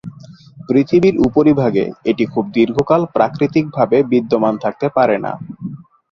পৃথিবীর উপরিভাগে এটি খুব দীর্ঘকাল প্রাকৃতিকভাবে বিদ্যমান থাকতে পারে না।